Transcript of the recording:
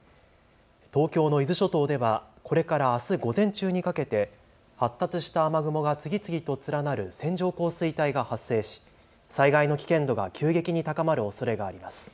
東京の伊豆諸島ではこれからあす午前中にかけて発達した雨雲が次々と連なる線状降水帯が発生し災害の危険度が急激に高まるおそれがあります。